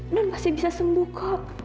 nenek pasti bisa sembuh kok